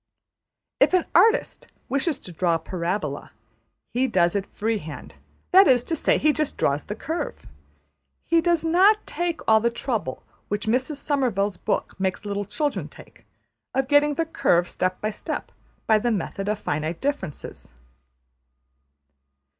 If an artist wishes to draw a parabola, he does it freehand, that is to say, he just draws the curve He does not take all the trouble which Mrs Somervell's book makes little children take, of getting the curve step by step by the method of Finite Differences.